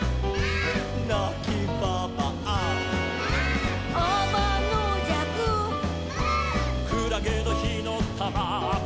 「なきばばあ」「」「あまのじゃく」「」「くらげのひのたま」「」